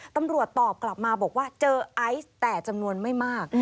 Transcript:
ตำรวจตอบกลับมาบอกว่าเจอไอซ์แต่จำนวนไม่มาก